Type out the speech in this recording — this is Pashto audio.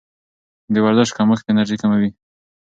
د ورزش کمښت انرژي کموي.